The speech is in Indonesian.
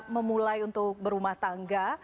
memulai untuk berumah tangga